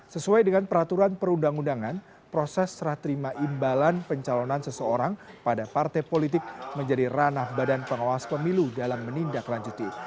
sesuai dengan peraturan perundang undangan proses serah terima imbalan pencalonan seseorang pada partai politik menjadi ranah badan pengawas pemilu dalam menindaklanjuti